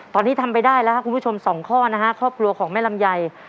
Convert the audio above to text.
ตอนนี้ทำไปได้แล้วครับคุณผู้ชมสองข้อนะฮะครอบครัวของแม่ลำไย